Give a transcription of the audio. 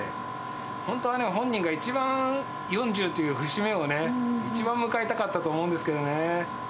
本当はね、本人が一番４０という節目をね、一番迎えたかったと思うんですけどね。